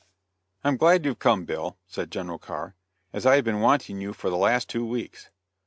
"I'm glad you've come, Bill," said General Carr, "as I have been wanting you for the last two weeks.